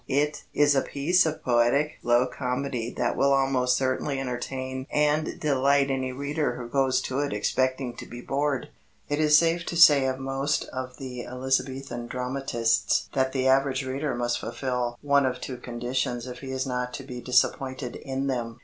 It is a piece of poetic low comedy that will almost certainly entertain and delight any reader who goes to it expecting to be bored. It is safe to say of most of the Elizabethan dramatists that the average reader must fulfil one of two conditions if he is not to be disappointed in them.